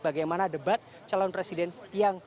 bagaimana debat calon presiden yang